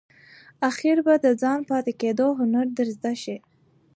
آخیر به د ځانته پاتې کېدو هنر در زده شي !